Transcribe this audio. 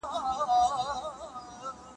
بې دا ستا د ګریوانه له عطرو، ښار کې